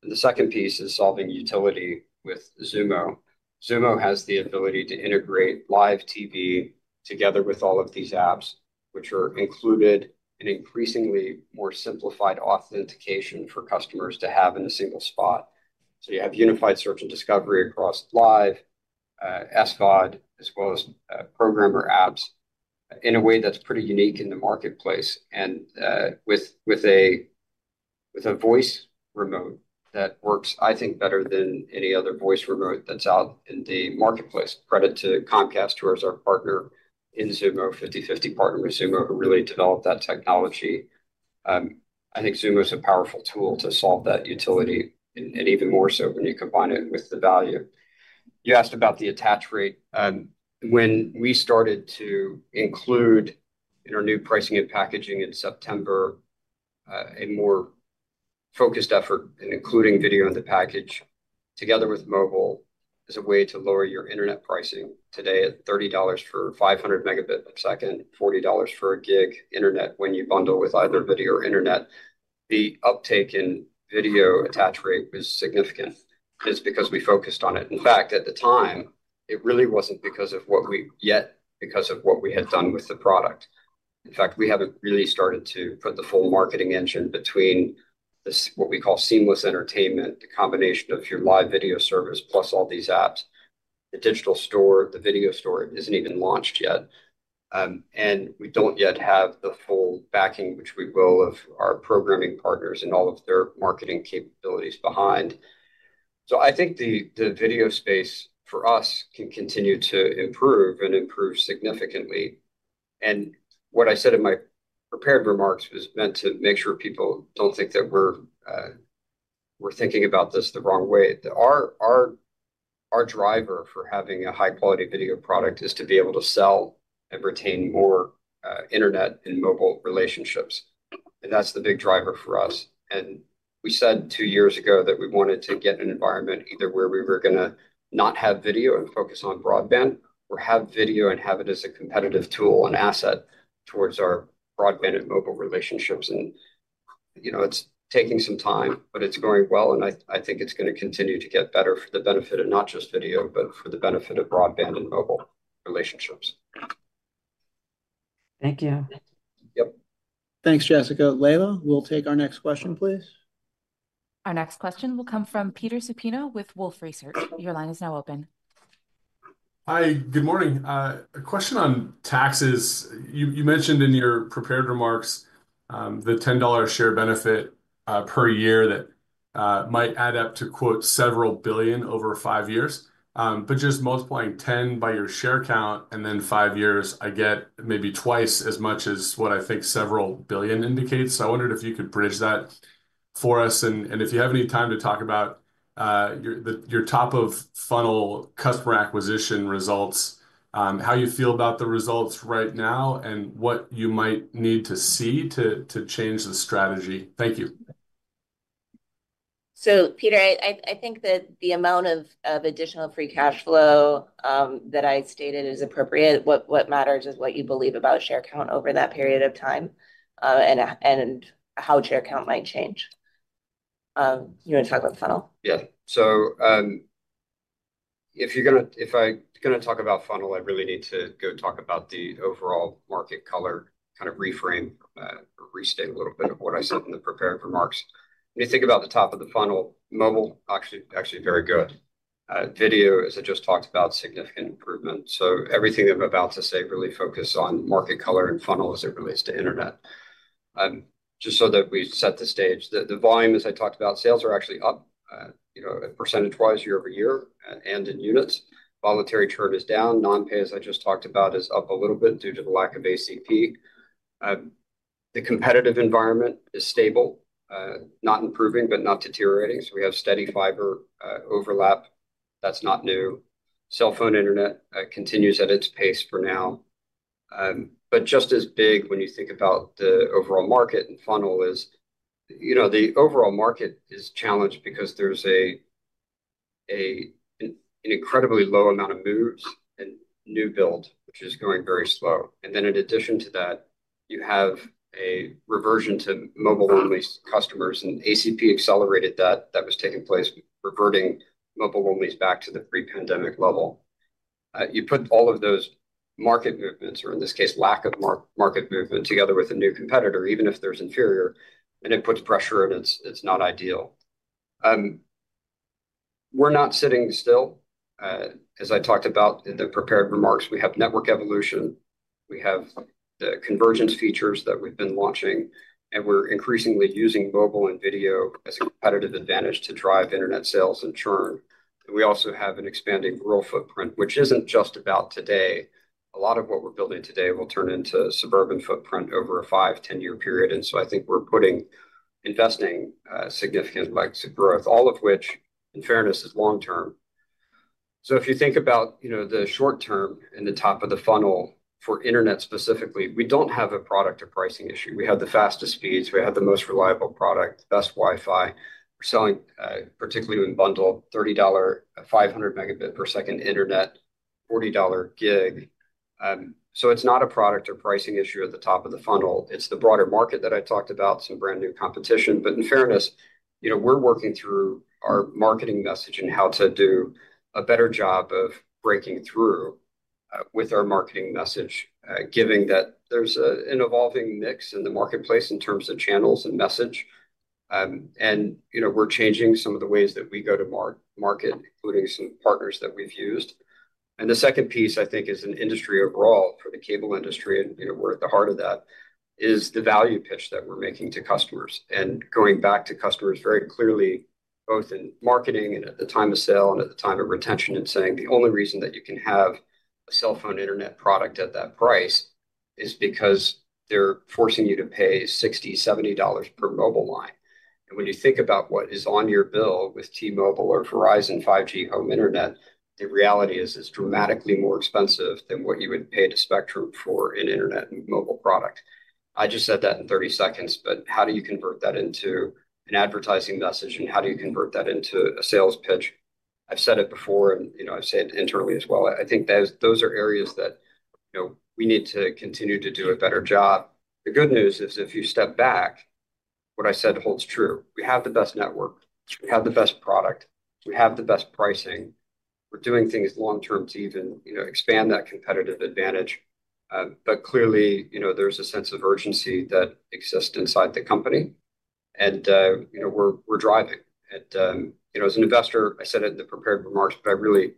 The second piece is solving utility with Xumo. Xumo has the ability to integrate live TV together with all of these apps, which are included in increasingly more simplified authentication for customers to have in a single spot. You have unified search and discovery across live, Escod, as well as programmer apps in a way that's pretty unique in the marketplace. With a voice remote that works, I think, better than any other voice remote that's out in the marketplace. Credit to Comcast, who is our partner in Xumo, 50/50 partner with Xumo, who really developed that technology. I think Xumo is a powerful tool to solve that utility and even more so when you combine it with the value. You asked about the attach rate. When we started to include, in our new pricing and packaging in September, a more focused effort in including video in the package together with mobile as a way to lower your internet pricing. Today, at $30 for 500 Mb a second, $40 for a gig internet when you bundle with either video or internet, the uptake in video attach rate was significant. It's because we focused on it. In fact, at the time, it really wasn't because of what we yet because of what we had done with the product. In fact, we haven't really started to put the full marketing engine between what we call seamless entertainment, the combination of your live video service plus all these apps. The digital store, the video store isn't even launched yet. And we don't yet have the full backing, which we will, of our programming partners and all of their marketing capabilities behind. I think the video space for us can continue to improve and improve significantly. What I said in my prepared remarks was meant to make sure people don't think that we're thinking about this the wrong way. Our driver for having a high-quality video product is to be able to sell and retain more internet and mobile relationships. That's the big driver for us. We said two years ago that we wanted to get an environment either where we were going to not have video and focus on broadband or have video and have it as a competitive tool and asset towards our broadband and mobile relationships. It's taking some time, but it's going well. I think it's going to continue to get better for the benefit of not just video, but for the benefit of broadband and mobile relationships. Thank you. Yep. Thanks, Jessica. Leila, we'll take our next question, please. Our next question will come from Peter Supino with Wolfe Research. Your line is now open. Hi. Good morning. A question on taxes. You mentioned in your prepared remarks the $10 share benefit per year that might add up to, quote, several billion over five years. Just multiplying 10 by your share count and then five years, I get maybe twice as much as what I think several billion indicates. I wondered if you could bridge that for us. If you have any time to talk about your top-of-funnel customer acquisition results, how you feel about the results right now, and what you might need to see to change the strategy. Thank you. Peter, I think that the amount of additional free cash flow that I stated is appropriate. What matters is what you believe about share count over that period of time and how share count might change. You want to talk about funnel? Yeah. If I'm going to talk about funnel, I really need to go talk about the overall market color, kind of reframe or restate a little bit of what I said in the prepared remarks. When you think about the top of the funnel, mobile is actually very good. Video, as I just talked about, significant improvement. Everything I'm about to say really focuses on market color and funnel as it relates to internet, just so that we set the stage. The volume, as I talked about, sales are actually up, percentage-wise, year over year, and in units. Voluntary churn is down. Non-pay, as I just talked about, is up a little bit due to the lack of ACP. The competitive environment is stable, not improving, but not deteriorating. We have steady fiber overlap. That's not new. Cell phone internet continues at its pace for now. Just as big, when you think about the overall market and funnel, is the overall market is challenged because there's an incredibly low amount of moves and new build, which is going very slow. In addition to that, you have a reversion to mobile-only customers, and ACP accelerated that. That was taking place, reverting mobile-only back to the pre-pandemic level. You put all of those market movements, or in this case, lack of market movement, together with a new competitor, even if there's inferior, and it puts pressure, and it's not ideal. We're not sitting still. As I talked about in the prepared remarks, we have network evolution. We have the convergence features that we've been launching, and we're increasingly using mobile and video as a competitive advantage to drive internet sales and churn. We also have an expanding rural footprint, which isn't just about today. A lot of what we're building today will turn into suburban footprint over a 5-10 year period. I think we're investing significant legs of growth, all of which, in fairness, is long-term. If you think about the short-term and the top of the funnel for internet specifically, we don't have a product or pricing issue. We have the fastest speeds. We have the most reliable product, best Wi-Fi. We're selling, particularly in bundle, $30 500 Mb per second internet, $40 gig. It's not a product or pricing issue at the top of the funnel. It's the broader market that I talked about, some brand new competition. In fairness, we're working through our marketing message and how to do a better job of breaking through with our marketing message, given that there's an evolving mix in the marketplace in terms of channels and message. We're changing some of the ways that we go to market, including some partners that we've used. The second piece, I think, is an industry overall for the cable industry, and we're at the heart of that, is the value pitch that we're making to customers. Going back to customers very clearly, both in marketing and at the time of sale and at the time of retention, and saying the only reason that you can have a cell phone internet product at that price is because they're forcing you to pay $60, $70 per mobile line. When you think about what is on your bill with T-Mobile or Verizon 5G home internet, the reality is it's dramatically more expensive than what you would pay to Spectrum for an internet and mobile product. I just said that in 30 seconds, but how do you convert that into an advertising message, and how do you convert that into a sales pitch? I've said it before, and I've said it internally as well. I think those are areas that we need to continue to do a better job. The good news is if you step back, what I said holds true. We have the best network. We have the best product. We have the best pricing. We're doing things long-term to even expand that competitive advantage. Clearly, there's a sense of urgency that exists inside the company. We're driving. As an investor, I said it in the prepared remarks, but I really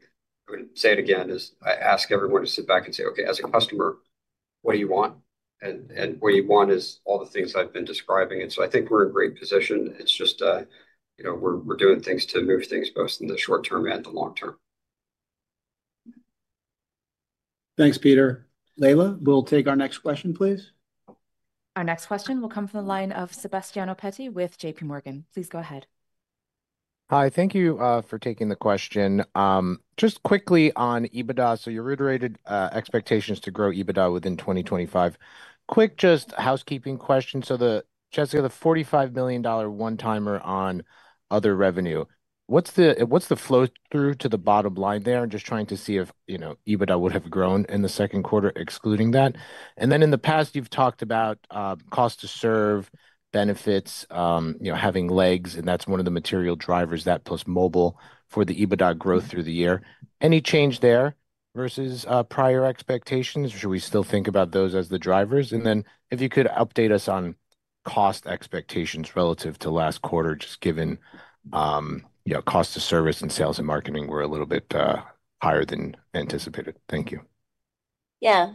would say it again is I ask everyone to sit back and say, "Okay, as a customer, what do you want?" What you want is all the things I've been describing. I think we're in a great position. It's just we're doing things to move things both in the short term and the long term. Thanks, Peter. Leila, we'll take our next question, please. Our next question will come from the line of Sebastiano Petti with J.P. Morgan. Please go ahead. Hi. Thank you for taking the question. Just quickly on EBITDA. You reiterated expectations to grow EBITDA within 2025. Quick housekeeping question. Jessica, the $45 million one-timer on other revenue, what's the flow through to the bottom line there? I'm just trying to see if EBITDA would have grown in the second quarter, excluding that. In the past, you've talked about cost to serve, benefits, having legs, and that's one of the material drivers, that plus mobile for the EBITDA growth through the year. Any change there versus prior expectations? Should we still think about those as the drivers? If you could update us on cost expectations relative to last quarter, just given cost to service and sales and marketing were a little bit higher than anticipated. Thank you. Yeah.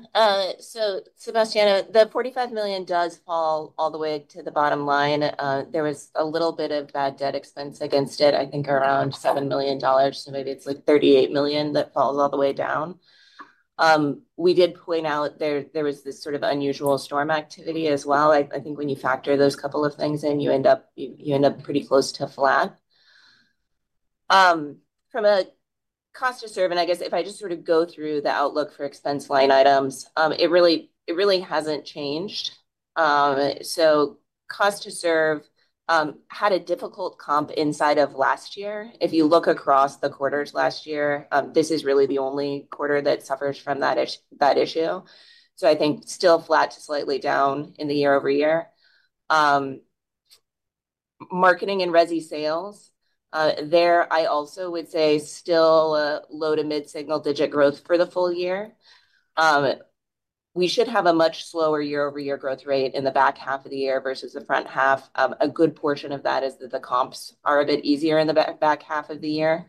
Sebastiano, the $45 million does fall all the way to the bottom line. There was a little bit of bad debt expense against it, I think around $7 million. Maybe it's like $38 million that falls all the way down. We did point out there was this sort of unusual storm activity as well. I think when you factor those couple of things in, you end up pretty close to flat. From a cost to serve, and I guess if I just sort of go through the outlook for expense line items, it really has not changed. Cost to serve had a difficult comp inside of last year. If you look across the quarters last year, this is really the only quarter that suffers from that issue. I think still flat to slightly down in the year over year. Marketing and resi sales, there, I also would say still a low to mid-single digit growth for the full year. We should have a much slower year-over-year growth rate in the back half of the year versus the front half. A good portion of that is that the comps are a bit easier in the back half of the year.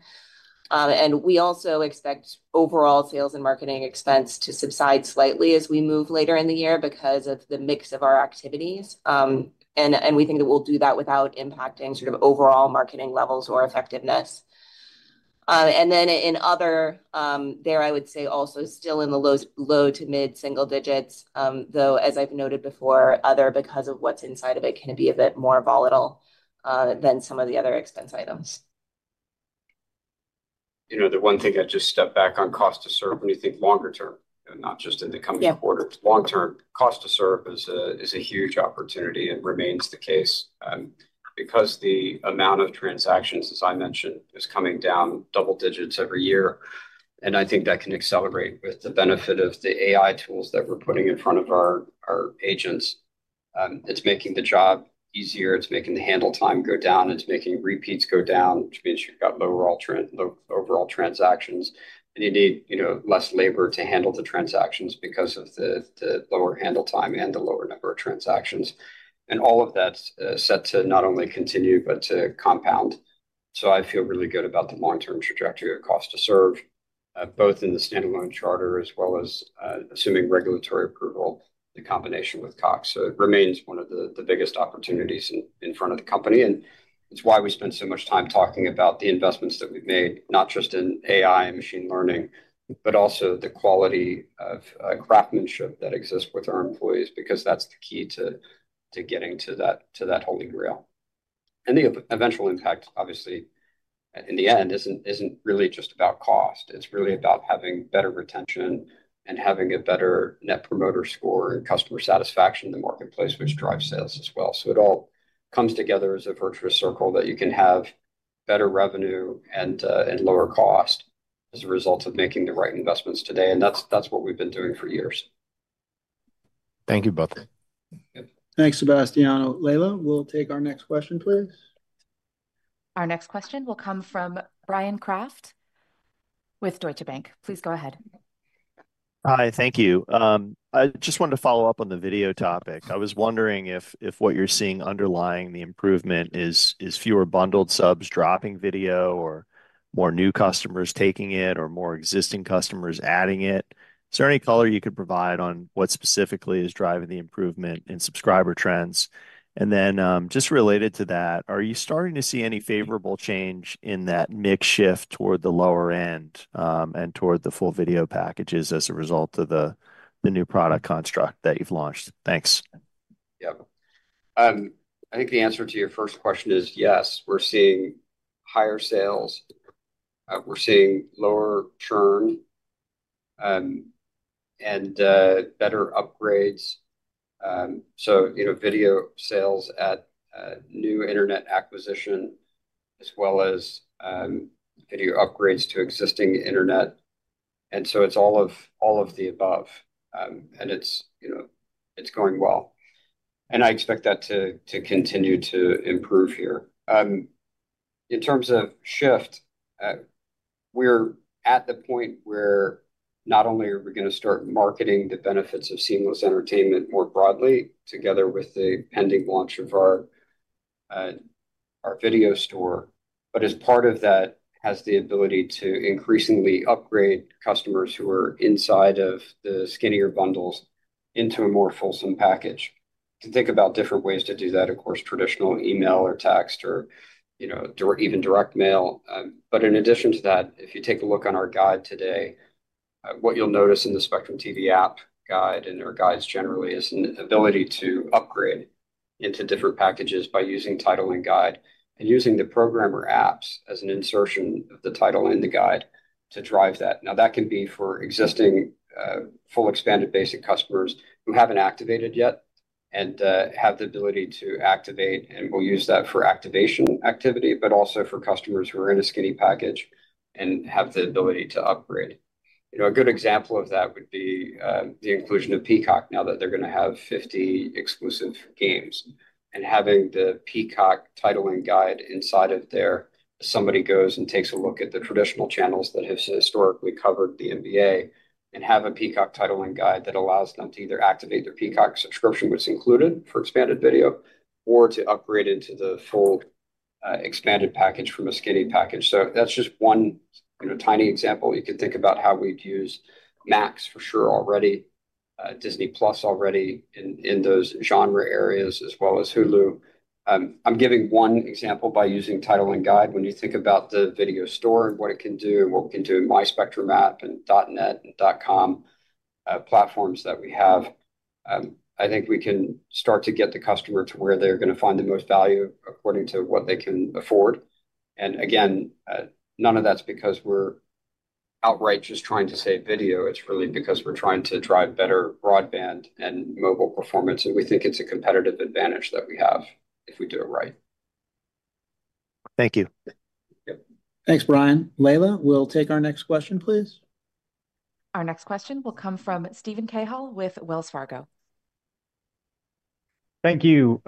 We also expect overall sales and marketing expense to subside slightly as we move later in the year because of the mix of our activities. We think that we will do that without impacting sort of overall marketing levels or effectiveness. In other, there, I would say also still in the low to mid-single digits, though, as I have noted before, other, because of what is inside of it, can be a bit more volatile than some of the other expense items. The one thing I just step back on cost to serve when you think longer term, not just in the coming quarter. Long-term cost to serve is a huge opportunity. It remains the case because the amount of transactions, as I mentioned, is coming down double digits every year. I think that can accelerate with the benefit of the AI tools that we are putting in front of our agents. It is making the job easier. It is making the handle time go down. It is making repeats go down, which means you have got lower overall transactions. You need less labor to handle the transactions because of the lower handle time and the lower number of transactions. All of that is set to not only continue, but to compound. I feel really good about the long-term trajectory of cost to serve, both in the standalone Charter as well as, assuming regulatory approval, the combination with Cox. It remains one of the biggest opportunities in front of the company. It is why we spend so much time talking about the investments that we have made, not just in AI and machine learning, but also the quality of craftsmanship that exists with our employees because that is the key to getting to that holding rail. The eventual impact, obviously, in the end, is not really just about cost. It is really about having better retention and having a better net promoter score and customer satisfaction in the marketplace, which drives sales as well. So it all comes together as a virtuous circle that you can have better revenue and lower cost as a result of making the right investments today. And that's what we've been doing for years. Thank you both. Thanks, Sebastiano. Leila, we'll take our next question, please. Our next question will come from Bryan Kraft with Deutsche Bank. Please go ahead. Hi. Thank you. I just wanted to follow up on the video topic. I was wondering if what you're seeing underlying the improvement is fewer bundled subs dropping video or more new customers taking it or more existing customers adding it. Is there any color you could provide on what specifically is driving the improvement in subscriber trends? And then just related to that, are you starting to see any favorable change in that mix shift toward the lower end and toward the full video packages as a result of the new product construct that you've launched? Thanks. Yep. I think the answer to your first question is yes. We're seeing higher sales. We're seeing lower churn. And better upgrades. So video sales at new internet acquisition as well as video upgrades to existing internet. And so it's all of the above. And it's going well. I expect that to continue to improve here. In terms of shift, we're at the point where not only are we going to start marketing the benefits of seamless entertainment more broadly together with the pending launch of our video store, but as part of that has the ability to increasingly upgrade customers who are inside of the skinnier bundles into a more fulsome package. To think about different ways to do that, of course, traditional email or text or even direct mail. But in addition to that, if you take a look on our guide today, what you'll notice in the Spectrum TV app guide and our guides generally is an ability to upgrade into different packages by using title and guide and using the programmer apps as an insertion of the title in the guide to drive that. Now, that can be for existing full expanded basic customers who have not activated yet and have the ability to activate. And we'll use that for activation activity, but also for customers who are in a skinny package and have the ability to upgrade. A good example of that would be the inclusion of Peacock now that they're going to have 50 exclusive games. And having the Peacock title and guide inside of there, somebody goes and takes a look at the traditional channels that have historically covered the NBA and have a Peacock title and guide that allows them to either activate their Peacock subscription, which is included for expanded video, or to upgrade into the full expanded package from a skinny package. That's just one tiny example. You can think about how we've used Max for sure already, Disney+ already in those genre areas, as well as Hulu. I'm giving one example by using title and guide. When you think about the video store and what it can do and what we can do in MySpectrum app and .net and .com, platforms that we have, I think we can start to get the customer to where they're going to find the most value according to what they can afford. Again, none of that's because we're outright just trying to save video. It's really because we're trying to drive better broadband and mobile performance. We think it's a competitive advantage that we have if we do it right. Thank you. Thanks, Bryan. Leila, we'll take our next question, please. Our next question will come from Stephen Cahill with Wells Fargo. Thank you.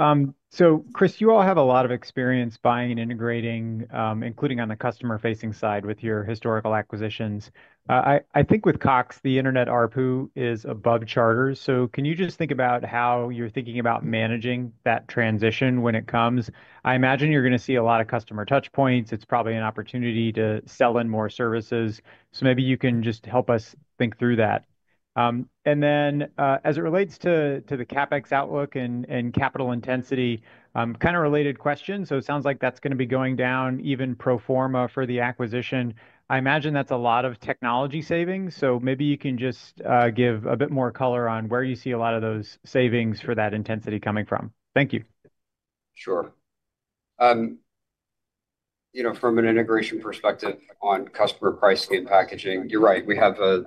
Chris, you all have a lot of experience buying and integrating, including on the customer-facing side with your historical acquisitions. I think with Cox, the internet ARPU is above Charter's. Can you just think about how you're thinking about managing that transition when it comes? I imagine you're going to see a lot of customer touchpoints. It's probably an opportunity to sell in more services. Maybe you can just help us think through that. As it relates to the CapEx outlook and capital intensity, kind of related questions. It sounds like that's going to be going down even pro-forma for the acquisition. I imagine that's a lot of technology savings. Maybe you can just give a bit more color on where you see a lot of those savings for that intensity coming from. Thank you. Sure. From an integration perspective on customer pricing and packaging, you're right. We have a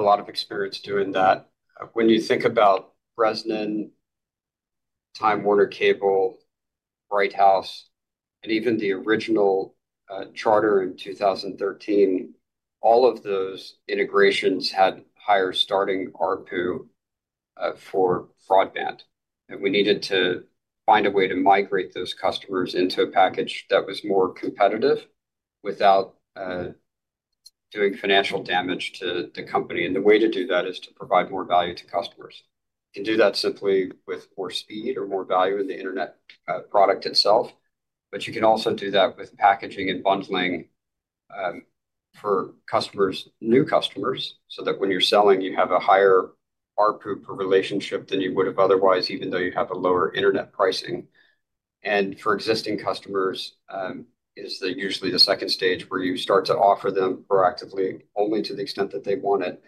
lot of experience doing that. When you think about Bresnan, Time Warner Cable, Bright House, and even the original Charter in 2013, all of those integrations had higher starting ARPU for broadband. We needed to find a way to migrate those customers into a package that was more competitive without doing financial damage to the company. The way to do that is to provide more value to customers. You can do that simply with more speed or more value in the internet product itself, but you can also do that with packaging and bundling for new customers so that when you're selling, you have a higher ARPU per relationship than you would have otherwise, even though you have a lower internet pricing. For existing customers, it is usually the second stage where you start to offer them proactively, only to the extent that they want it,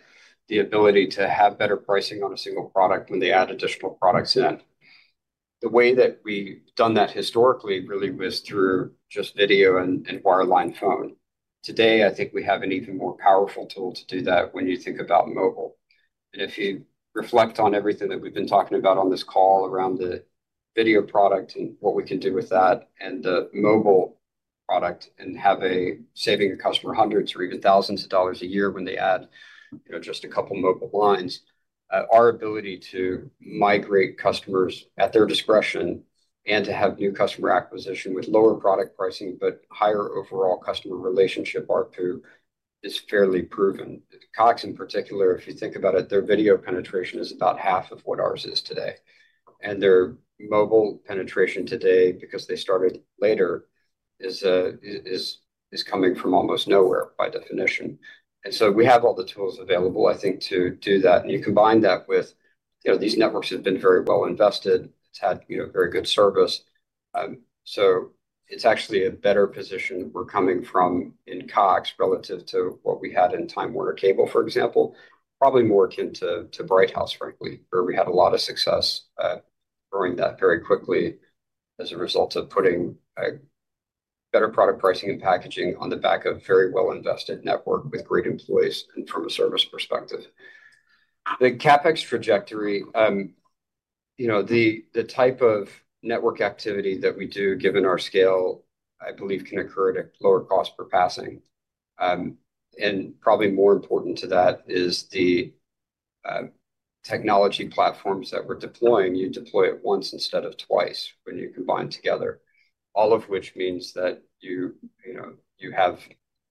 the ability to have better pricing on a single product when they add additional products in. The way that we've done that historically really was through just video and wireline phone. Today, I think we have an even more powerful tool to do that when you think about mobile. If you reflect on everything that we've been talking about on this call around the video product and what we can do with that and the mobile product and have a saving a customer hundreds or even thousands of dollars a year when they add just a couple of mobile lines, our ability to migrate customers at their discretion and to have new customer acquisition with lower product pricing, but higher overall customer relationship ARPU is fairly proven. Cox, in particular, if you think about it, their video penetration is about half of what ours is today. Their mobile penetration today, because they started later, is coming from almost nowhere by definition. We have all the tools available, I think, to do that. You combine that with these networks have been very well invested. It has had very good service. It is actually a better position we're coming from in Cox relative to what we had in Time Warner Cable, for example, probably more akin to Bright House, frankly, where we had a lot of success growing that very quickly as a result of putting better product pricing and packaging on the back of a very well-invested network with great employees and from a service perspective. The CapEx trajectory, the type of network activity that we do, given our scale, I believe, can occur at a lower cost per passing. Probably more important to that is the technology platforms that we're deploying. You deploy it once instead of twice when you combine together, all of which means that you have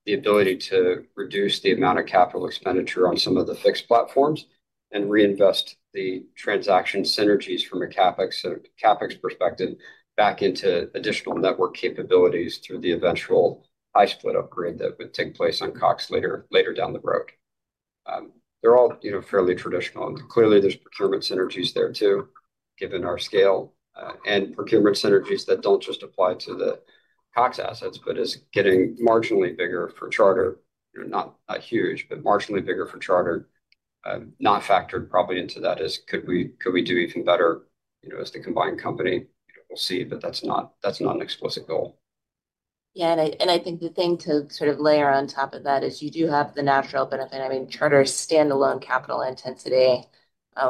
the ability to reduce the amount of capital expenditure on some of the fixed platforms and reinvest the transaction synergies from a CapEx perspective back into additional network capabilities through the eventual high-split upgrade that would take place on Cox later down the road. They are all fairly traditional. Clearly, there are procurement synergies there too, given our scale and procurement synergies that do not just apply to the Cox assets, but is getting marginally bigger for Charter, not huge, but marginally bigger for Charter. Not factored probably into that is, could we do even better as the combined company? We'll see, but that's not an explicit goal. I think the thing to sort of layer on top of that is you do have the natural benefit. I mean, Charter's standalone capital intensity,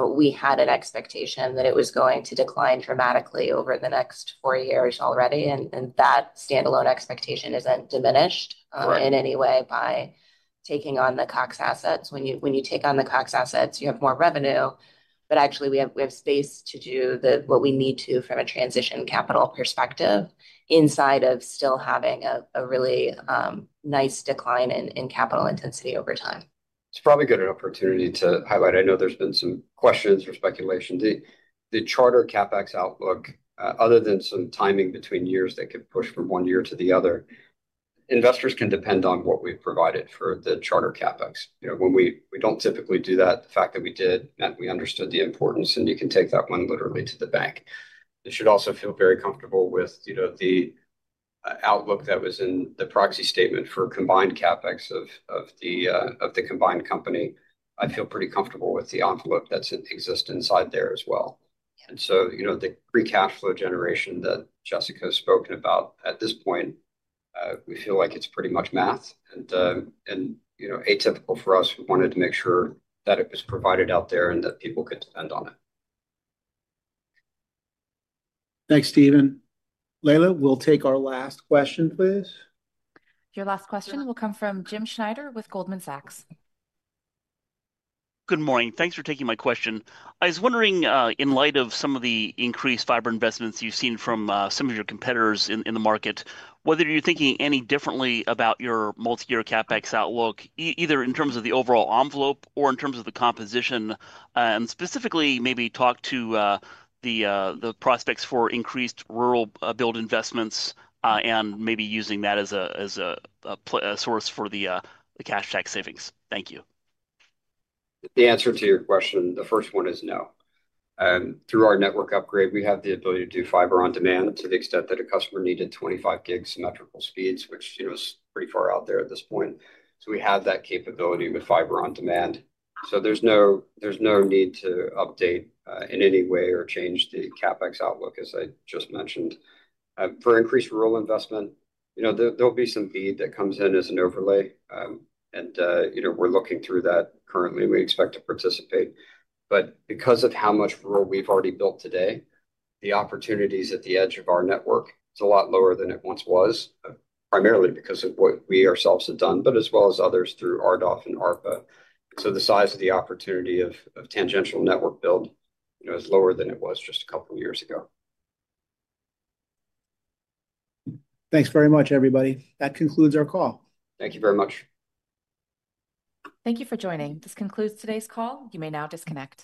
we had an expectation that it was going to decline dramatically over the next four years already. That standalone expectation is not diminished in any way by taking on the Cox assets. When you take on the Cox assets, you have more revenue. Actually, we have space to do what we need to from a transition capital perspective inside of still having a really nice decline in capital intensity over time. It is probably a good opportunity to highlight. I know there have been some questions or speculation. The Charter CapEx outlook, other than some timing between years that could push from one year to the other, investors can depend on what we've provided for the Charter CapEx. When we do not typically do that, the fact that we did meant we understood the importance, and you can take that one literally to the bank. You should also feel very comfortable with the outlook that was in the proxy statement for combined CapEx of the combined company. I feel pretty comfortable with the envelope that exists inside there as well. The free cash flow generation that Jessica has spoken about at this point, we feel like it is pretty much math. Atypical for us, we wanted to make sure that it was provided out there and that people could depend on it. Thanks, Stephen. Leila, we will take our last question, please. Your last question will come from Jim Schneider with Goldman Sachs. Good morning. Thanks for taking my question. I was wondering, in light of some of the increased fiber investments you have seen from some of your competitors in the market, whether you are thinking any differently about your multi-year CapEx outlook, either in terms of the overall envelope or in terms of the composition, and specifically maybe talk to the prospects for increased rural build investments and maybe using that as a source for the cash tax savings. Thank you. The answer to your question, the first one is no. Through our network upgrade, we have the ability to do fiber on demand to the extent that a customer needed 25 gig symmetrical speeds, which is pretty far out there at this point. We have that capability with fiber on demand, so there is no need to update in any way or change the CapEx outlook, as I just mentioned. For increased rural investment, there will be some BEAD that comes in as an overlay, and we are looking through that currently. We expect to participate, but because of how much rural we have already built today, the opportunities at the edge of our network, it is a lot lower than it once was, primarily because of what we ourselves have done, but as well as others through RDOF and ARPA. The size of the opportunity of tangential network build is lower than it was just a couple of years ago. Thanks very much, everybody. That concludes our call. Thank you very much. Thank you for joining. This concludes today's call. You may now disconnect.